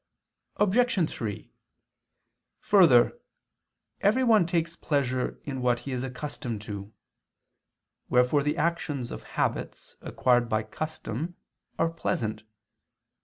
Obj. 3: Further, everyone takes pleasure in what he is accustomed to: wherefore the actions of habits acquired by custom, are pleasant.